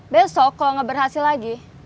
besok kalau gak berhasil lagi